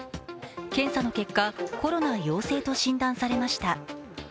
検査の結果、コロナ陽性と診断されました。